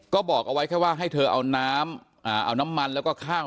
ก็บอกเอาไว้แค่ว่าให้เธอเอาน้ำเอาน้ำมันแล้วก็ข้าว